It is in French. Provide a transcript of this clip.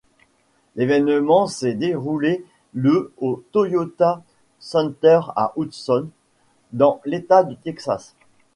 L'événement s'est déroulé le au Toyota Center à Houston dans l'état du Texas.